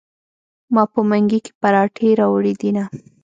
ما په منګي کې پراټې راوړي دینه.